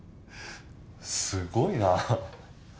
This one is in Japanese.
すごいな！